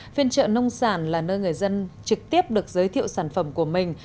phiên trợ nông sản là nơi người dân trực tiếp được giới thiệu sản phẩm của mình